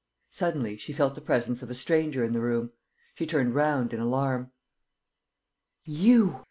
Suddenly, she felt the presence of a stranger in the room. She turned round in alarm: "You!"